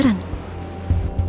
apa yang terjadi